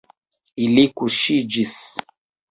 Ili kuŝiĝis.